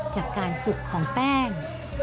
จากการสุกของแป้ง